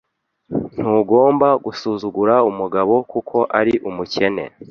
Ntugomba gusuzugura umugabo kuko ari umukene.